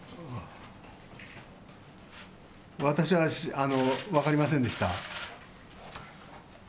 私は分かりませんでした。